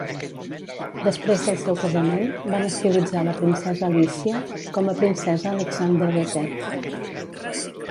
Després del seu casament, van estilitzar la princesa Alícia com a princesa Alexander de Teck.